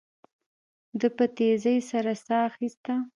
ده په تيزۍ سره ساه اخيسته.